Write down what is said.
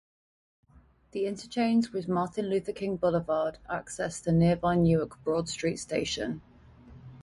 The interchange with Martin Luther King Boulevard accessed the nearby Newark Broad Street Station.